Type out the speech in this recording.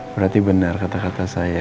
berarti benar kata kata saya